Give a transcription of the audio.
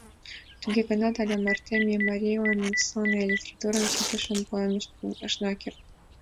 Туге гынат але марте ме марийлан сылне литературым ситышын пуэн ышна керт.